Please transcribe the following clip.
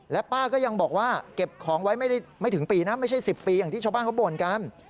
ป้าก็ยังบอกว่าเก็บของไว้ไม่ถึงปีนะไม่ใช่๑๐ปีอย่างที่ชาวบ้านเขาบ่นกัน